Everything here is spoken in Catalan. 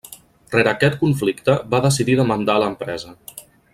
Rere aquest conflicte va decidir demandar a l'empresa.